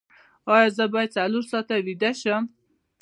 ایا زه باید څلور ساعته ویده شم؟